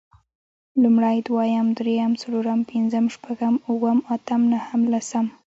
لومړی، دويم، درېيم، څلورم، پنځم، شپږم، اووم، اتم نهم، لسم